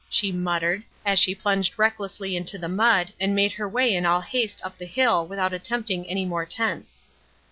she muttered, as she plunged recklessly into the mud and made her way in all haste up the hill without attempting any more tents.